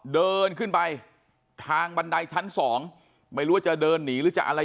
เดินขึ้นไปทางบันไดชั้นสองไม่รู้ว่าจะเดินหนีหรือจะอะไร